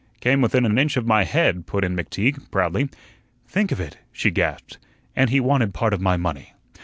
"Came within an inch of my head," put in McTeague, proudly. "Think of it!" she gasped; "and he wanted part of my money.